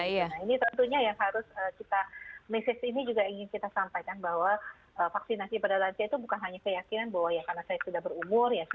nah ini tentunya yang harus kita mesej ini juga ingin kita sampaikan bahwa vaksinasi pada lansia itu bukan hanya keyakinan bahwa ya karena saya sudah berumur